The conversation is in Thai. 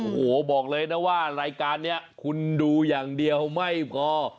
โอ้โหบอกเลยนะว่ารายการนี้คุณดูอย่างเดียวไม่พอ